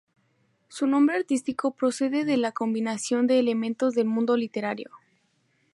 Su nombre artístico procede de la combinación de elementos del mundo literario.